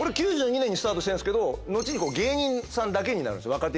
９２年にスタートしてるんですけど後に芸人さんだけになるんですよ